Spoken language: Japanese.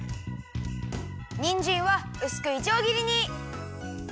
にんじんはうすくいちょうぎりに。